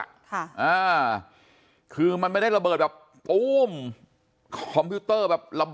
ค่ะอ่าคือมันไม่ได้ระเบิดแบบโอ้มคอมพิวเตอร์แบบ